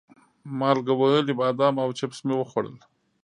مالګه وهلي بادام او چپس مې وخوړل.